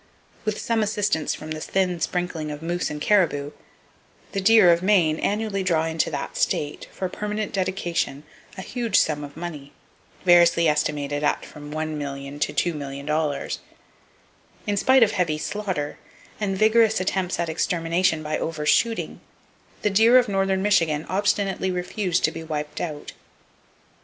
With some assistance from the thin sprinkling of moose and caribou, the deer of Maine annually draw into that state, for permanent dedication, a huge sum of money, variously estimated at from $1,000,000 to $2,000,000. In spite of heavy slaughter, and vigorous attempts at extermination by over shooting, the deer of northern Michigan obstinately refuse to be wiped out.